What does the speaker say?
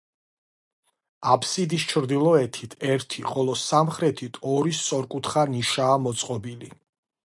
აბსიდის ჩრდილოეთით ერთი, ხოლო სამხრეთით ორი სწორკუთხა ნიშაა მოწყობილი.